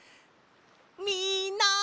みんな！